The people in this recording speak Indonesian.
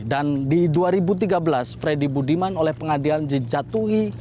dan di dua ribu tiga belas freddy budiman oleh pengadilan dijatuhi